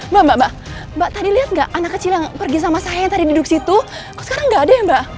mbak mbak mbak mbak tadi liat gak anak kecil yang pergi sama saya yang tadi duduk situ kok sekarang gak ada ya mbak